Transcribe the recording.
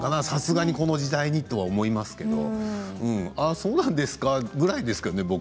さすがにこの時代にとは思いますけどああそうなんですかぐらいですかね